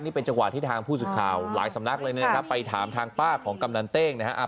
นี่เป็นจังหวะที่ทางผู้สื่อข่าวหลายสำนักเลยนะครับไปถามทางป้าของกำนันเต้งนะฮะ